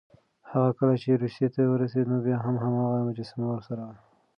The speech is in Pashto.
هغه کله چې روسيې ته ورسېد، نو بیا هم هماغه مجسمه ورسره وه.